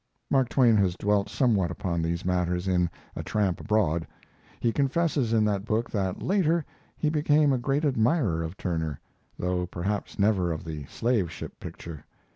Mark Twain has dwelt somewhat upon these matters in 'A Tramp Abroad'. He confesses in that book that later he became a great admirer of Turner, though perhaps never of the "Slave Ship" picture.